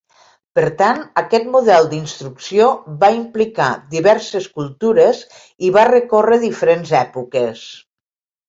Per tant, aquest model d'instrucció va implicar diverses cultures i va recórrer diferents èpoques.